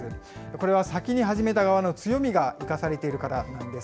これは先に始めた側の強みが生かされているからなんです。